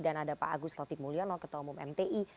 dan ada pak agus taufik mulyono ketua umum mti